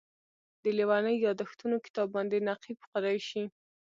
د لېوني یادښتونو کتاب باندې نقیب قریشي.